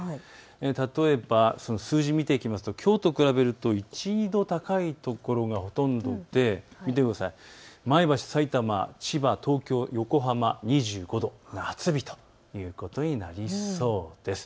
例えば数字を見ていきますときょうと比べると１、２度高い所がほとんどで前橋、さいたま、千葉、東京、横浜、２５度、夏日ということになりそうです。